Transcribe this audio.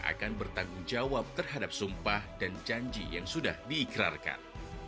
akan bertanggung jawab terhadap sumpah dan janji yang sudah diikrarkan